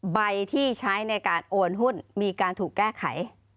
ใบที่ใช้ในการโอนหุ้นมีการถูกแก้ไข